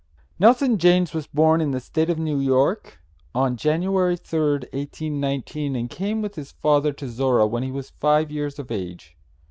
Nelson Janes was born in the State of New York on January 3rd, 1819, and came with his father to Zorra when he was five years of age.